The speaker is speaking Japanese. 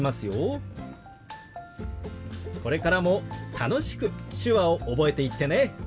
これからも楽しく手話を覚えていってね。